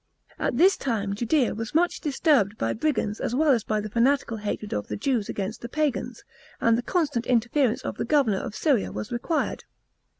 At this time Judea was much disturbed by brigands as well as by the fanatical hatred of the Jews against the Pagans ; and the constant interference of the governor of Syria was required.